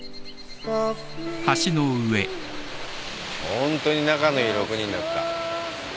ホントに仲のいい６人だった。